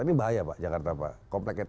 ini bahaya pak jakarta pak kompleks